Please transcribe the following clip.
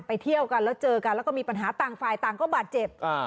เที่ยวกันแล้วเจอกันแล้วก็มีปัญหาต่างฝ่ายต่างก็บาดเจ็บ